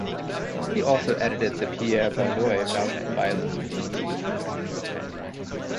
He also edited the Pierre Baillot Violin School.